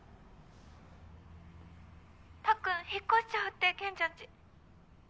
たっくん引っ越しちゃうってけんちゃんち。